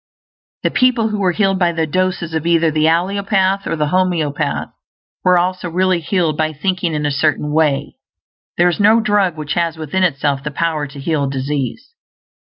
The people who were healed by the doses of either the allopath or the homeopath were also really healed by thinking in a certain way; there is no drug which has within itself the power to heal disease.